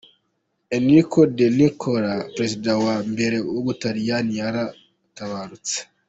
Enrico de Nicola, perezida wa mbere w’u Butaliyani yaratabarutse.